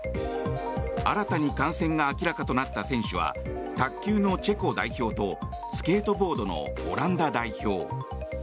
新たに感染が明らかとなった選手は卓球のチェコ代表とスケートボードのオランダ代表。